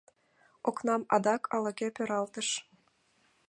Окнам адак ала-кӧ пералтыш.